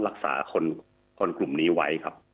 รักษาคนกลุ่มนี้ไว้ครับ